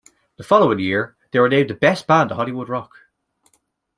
The following year they were named the best band of Hollywood Rock.